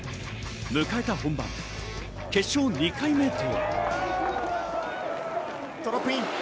迎えた本番、決勝２回目。